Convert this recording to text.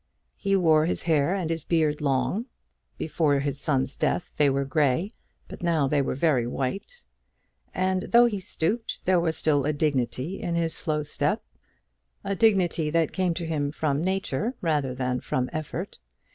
He wore his hair and his beard long; before his son's death they were grey, but now they were very white. And though he stooped, there was still a dignity in his slow step, a dignity that came to him from nature rather than from any effort.